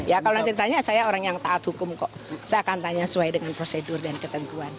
ya kalau nanti ditanya saya orang yang taat hukum kok saya akan tanya sesuai dengan prosedur dan ketentuan